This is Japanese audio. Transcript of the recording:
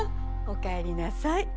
おかえりなさい。